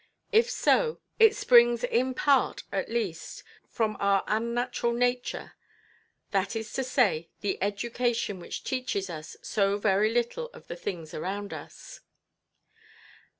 If so, it springs in part at least from our unnatural nature; that is to say, the education which teaches us so very little of the things around us.